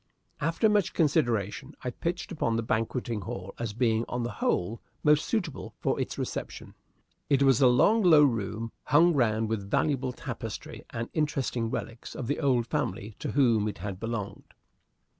After much consideration, I pitched upon the banqueting hall as being, on the whole, most suitable for its reception. It was a long low room, hung round with valuable tapestry and interesting relics of the old family to whom it had belonged.